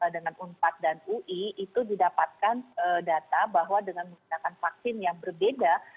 dengan unpad dan ui itu didapatkan data bahwa dengan menggunakan vaksin yang berbeda